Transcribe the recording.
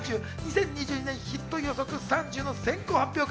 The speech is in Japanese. ２０２２年ヒット予測３０の先行発表会。